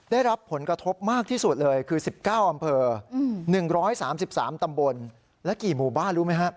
ได้รับผลกระทบมากที่สุดเลยคือ๑๙อำเภอ๑๓๓ตำบลและกี่หมู่บ้านรู้ไหมฮะ